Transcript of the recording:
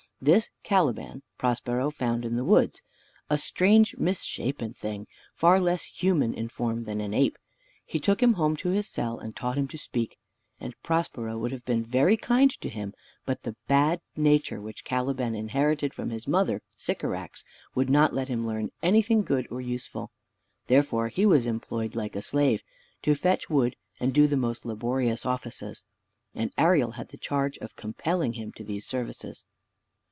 This Caliban, Prospero found in the woods, a strange misshapen thing, far less human in form than an ape: he took him home to his cell, and taught him to speak; and Prospero would have been very kind to him, but the bad nature which Caliban inherited from his mother Sycorax, would not let him learn anything good or useful: therefore he was employed like a slave, to fetch wood, and do the most laborious offices; and Ariel had the charge of compelling him to these services.